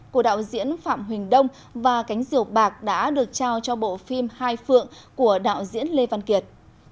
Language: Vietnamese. của đạo diễn phạm huỳnh đông và cánh diều bạc đã được trao cho bộ phim hai phượng của đạo diễn lê văn kiệt